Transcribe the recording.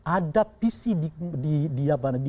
ada visi di